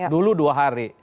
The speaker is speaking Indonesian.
dulu dua hari